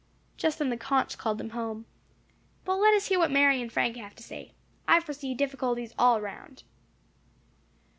Just then the conch called them home. "But let us hear what Mary and Frank have to say. I foresee difficulties all around."